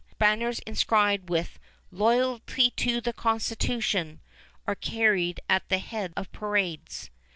Banners inscribed with "Loyalty to the Constitution" are carried at the head of parades.